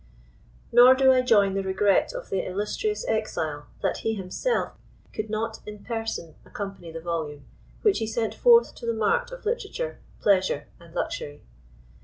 Nor do I join the regret of the illustrious exile, that he himself could not in person accompany the volume, which he sent forth to the mart of literature, pleasure, and luxury.